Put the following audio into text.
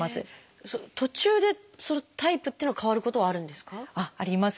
途中でタイプっていうのが変わることはあるんですか？